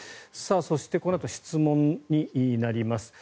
そして、このあと質問になります。